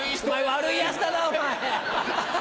悪いヤツだなお前。